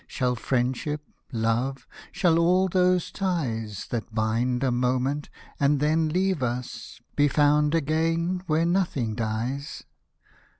Shall friendship — love — shall all those ties That bind a moment, and then leave us, Be found again where nothing dies